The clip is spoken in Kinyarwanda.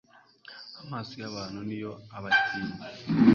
amaso y'abantu ni yo aba atinya